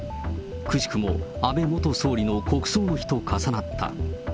くしくも安倍元総理の国葬の日と重なった。